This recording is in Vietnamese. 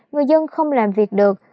người dân không làm việc được